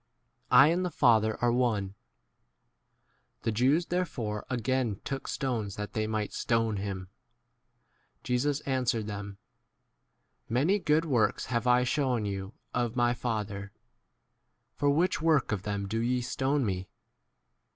I and the Father are 31 one. The Jews therefore again took stones that they might stone [him], 32 Jesus answered them, Many good works have I shewn you of my Father ; for which work of them 33 do ye stone me